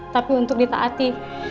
tapi untuk ditaati